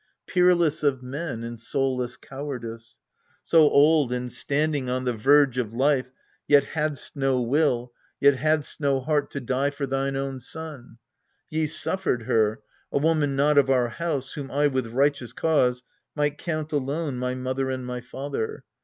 Peerless of men in soulless cowardice ! So old, and standing on the verge of life, Yet hadst no will, yet hadst no heart to die For thine own son ! Ye suffered her, a woman Not of our house, whom I with righteous cause Might count alone my mother and my father.